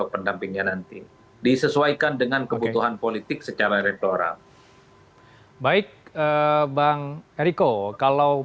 pendampingnya nanti disesuaikan dengan kebutuhan politik secara reploral baik bang eriko kalau